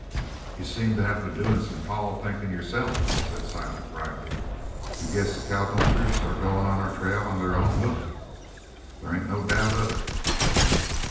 "You seem to have been doin' some tall thinkin' yourself," said Silent drily; "you guess the cowpunchers are goin' on our trail on their own hook?" "There ain't no doubt of it."